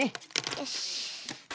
よし。